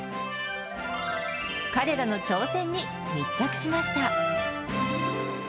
彼らの挑戦に密着しました。